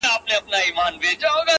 حدِاقل چي ته مي باید پُخلا کړې وای؛